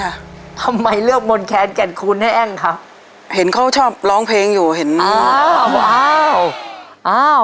ทำไมเลือกมนแคนแก่นคูณให้แอ้งคะเห็นเขาชอบร้องเพลงอยู่เห็นอ้าวว้าวอ้าว